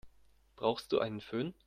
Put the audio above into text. Brauchst du einen Fön?